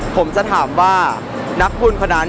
ผมจะถามว่านักบุญคนนั้น